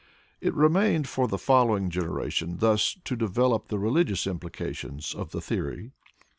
It remained for the following generation thus to develop the religious implications of the theory.